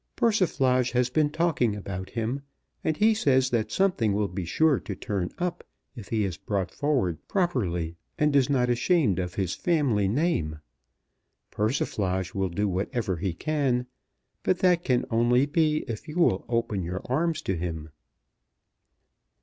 Persiflage has been talking about him, and he says that something will be sure to turn up if he is brought forward properly, and is not ashamed of his family name. Persiflage will do whatever he can, but that can only be if you will open your arms to him."